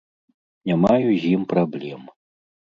Не маю з ім праблем.